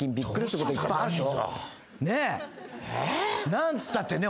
何つったってね